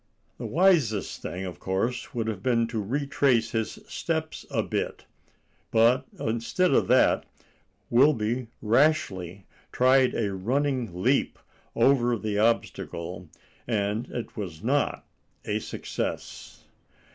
The wisest thing, of course, would have been to retrace his steps a bit; but instead of that, Wilby rashly tried a running leap over the obstacle, and it was not a success.